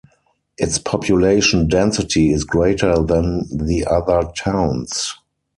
Its population density is greater than the other towns.